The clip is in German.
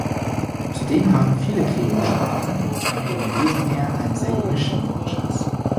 Zudem haben viele Kreolsprachen von ihrem Wesen her einen sehr gemischten Wortschatz.